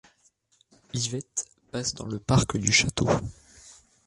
L'Yvette passe dans le parc du château.